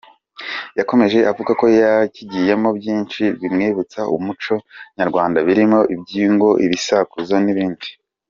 Yakomeje avuga ko yakigiyemo byinshi bimwibutsa umuco nyarwanda birimo ibyivugo, ibisakuzo n’ibindi.